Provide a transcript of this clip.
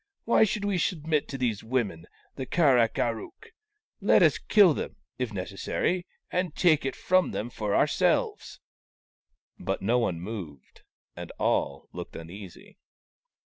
Why should we submit to these women, the Kar ak ar ook ? Let us kill them, if necessary, and take it from them for ourselves." But no one moved, and all looked uneasy.